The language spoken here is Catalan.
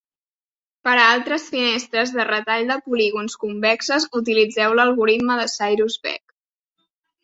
Per a altres finestres de retall de polígons convexes, utilitzeu l'algoritme de Cyrus-Beck.